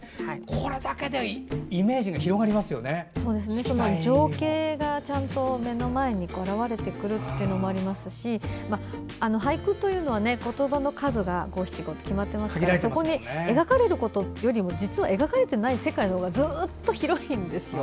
これだけでイメージが情景が目の前に現れてくることもありますし俳句というのは言葉の数が五七五と決まっていますがそこに描かれることよりも実は描かれていない世界の方がずっと広いんですよ。